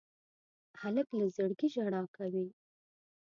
هلک له زړګي ژړا کوي.